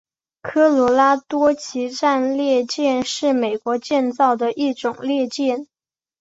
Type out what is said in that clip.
科罗拉多级战列舰是美国建造的一种战列舰。